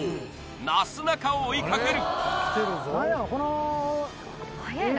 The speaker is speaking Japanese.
なすなかを追いかける！